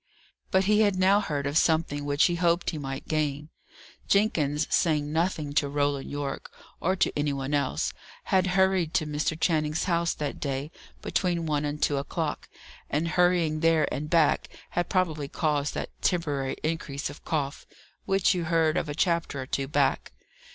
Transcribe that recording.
But he had now heard of something which he hoped he might gain. Jenkins, saying nothing to Roland Yorke, or to any one else, had hurried to Mr. Channing's house that day between one and two o'clock; and hurrying there and back had probably caused that temporary increase of cough, which you heard of a chapter or two back.